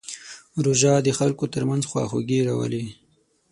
روژه د خلکو ترمنځ خواخوږي راولي.